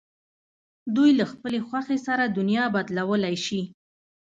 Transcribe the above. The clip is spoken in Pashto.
دوی له خپلې خوښې سره دنیا بدلولای شي.